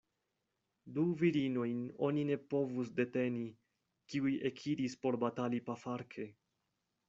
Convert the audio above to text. Du virinojn oni ne povus deteni, kiuj ekiris por batali pafarke.